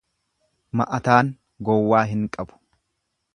Ma'ataan gowwaa hin qabu.